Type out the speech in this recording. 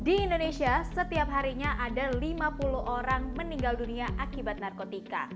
di indonesia setiap harinya ada lima puluh orang meninggal dunia akibat narkotika